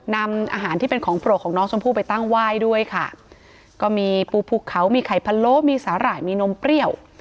นำอาหารที่เป็นของโปรดของน้องชมพู่ไปตั้งไหว้ด้วยค่ะก็มีปูภูเขามีไข่พะโล้มีสาหร่ายมีนมเปรี้ยว